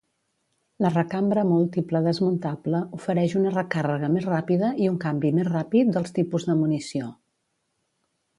La recambra múltiple desmuntable ofereix una recàrrega més ràpida i un canvi més ràpid dels tipus de munició.